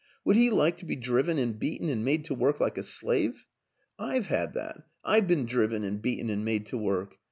Would he like to be driven and beaten and made to work like a slave? I've had that I've been driven and beaten and made to work.